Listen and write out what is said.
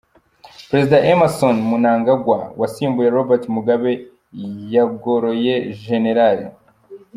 Perezida Emmerson Mnangagwa wasimbuye Robert Mugabe yagoroye Gen.